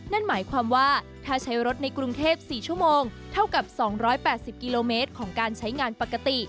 นั่นหมายความว่าถ้าใช้รถในกรุงเทพ๔ชั่วโมงเท่ากับ๒๘๐กิโลเมตรของการใช้งานปกติ